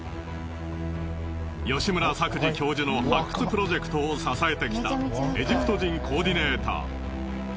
吉村作治教授の発掘プロジェクトを支えてきたエジプト人コーディネーター。